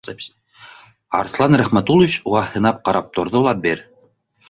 Арыҫлан Рәхмәтуллович уға һынап ҡарап торҙо ла бер